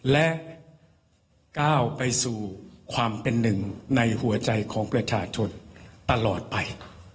และก้าวไปสู่ความเป็นหนึ่งในหัวใจของประชาชนตลอดไป